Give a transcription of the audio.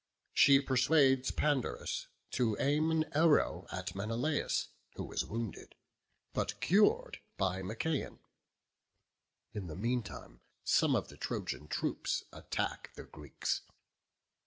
She persuades Pandarus to aim an arrow at Menelaus, who is wounded, but cured by Machaon. In the mean time some of the Trojan troops attack the Greeks.